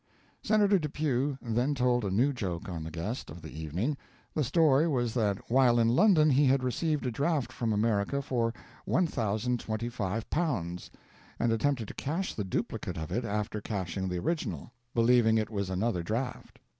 Senator Depew then told a new joke on the guest of the evening. The story was that while in London he had received a draft from America for [pounds] 1,025, and attempted to cash the duplicate of it after cashing the original, believing it was another draft.